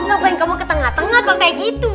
ngapain kamu ke tengah tengah kok kayak gitu